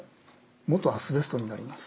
元アスベストになります。